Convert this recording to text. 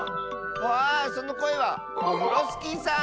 ああそのこえはオフロスキーさん！